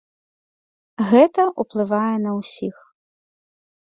Гэта ўплывае на ўсіх.